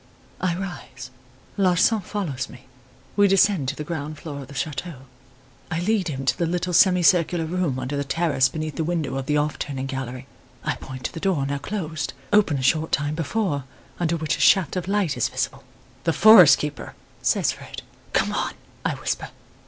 "I rise; Larsan follows me; we descend to the ground floor of the chateau. I lead him to the little semi circular room under the terrace beneath the window of the 'off turning' gallery. I point to the door, now closed, open a short time before, under which a shaft of light is visible. "'The forest keeper!' says Fred. "'Come on!' I whisper.